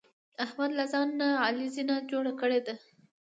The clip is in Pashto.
احمد له ځان نه علي زینه جوړه کړې ده.